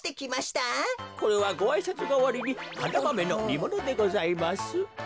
これはごあいさつがわりにハナマメのにものでございます。